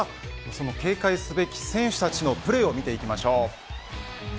その警戒すべき選手たちのプレーを見ていきましょう。